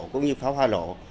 cũng như pháo hoa lổ